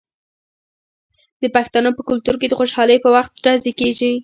د پښتنو په کلتور کې د خوشحالۍ په وخت ډزې کیږي.